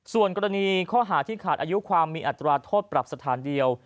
ส่วนกรณีข้อหาที่ขาดอายุความมีอัตราโทษปรับสถานเดียว